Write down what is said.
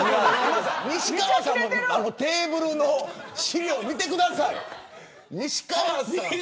西川さんのテーブルの資料を見てください。